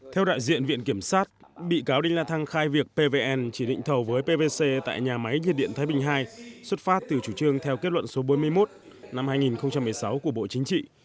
theo đại diện viện kiểm sát bị cáo đinh la thăng khai việc pvn chỉ định thầu với pvc tại nhà máy nhiệt điện thái bình ii xuất phát từ chủ trương theo kết luận số bốn mươi một năm hai nghìn một mươi sáu của bộ chính trị